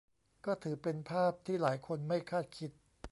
ก็ถือเป็นภาพที่หลายคนไม่คาดคิด